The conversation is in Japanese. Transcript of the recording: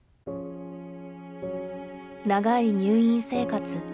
長い入院生活。